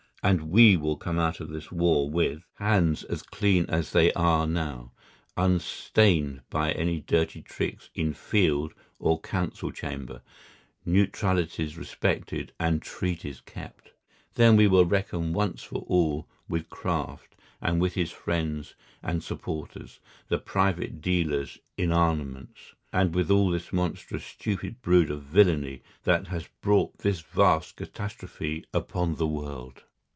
And we will come out of this war with hands as clean as they are now, unstained by any dirty tricks in field or council chamber, neutralities respected and treaties kept. Then we will reckon once for all with Kraft and with his friends and supporters, the private dealers in armaments, and with all this monstrous, stupid brood of villainy that has brought this vast catastrophe upon the world.